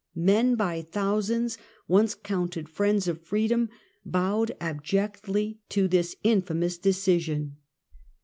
Men by thousands, once counted friends of freedom, bowed abjectly to this infamous decision.